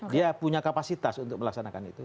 dia punya kapasitas untuk melaksanakan itu